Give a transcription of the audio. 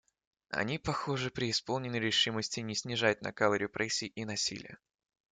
Они, похоже, преисполнены решимости не снижать накала репрессий и насилия.